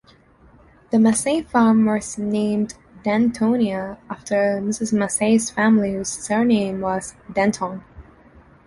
The Massey farm was named Dentonia after Mrs. Massey's family whose surname was Denton.